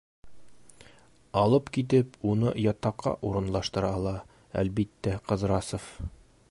Алып китеп, уны ятаҡҡа урынлаштыра ала, әлбиттә, Ҡыҙрасов.